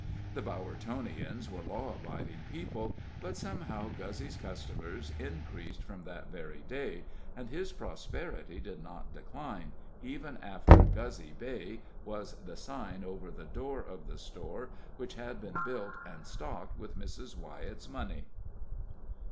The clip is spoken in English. The Bowertonians were law abiding people; but, somehow, Guzzy's customers increased from that very day, and his prosperity did not decline even after "Guzzy & Beigh" was the sign over the door of the store which had been built and stocked with Mrs. Wyett's money.